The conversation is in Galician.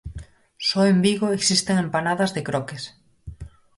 Só en Vigo existen empanadas de croques.